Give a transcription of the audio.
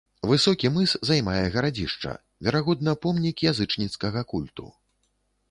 Высокі мыс займае гарадзішча, верагодна, помнік язычніцкага культу.